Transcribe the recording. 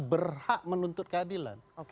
berhak menuntut keadilan